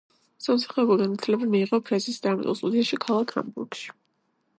სამსახიობო განათლება მიიღო ფრეზეს დრამატულ სტუდიაში ქალაქ ჰამბურგში.